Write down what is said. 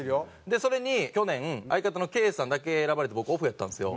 それに去年相方のケイさんだけ選ばれて僕オフやったんですよ。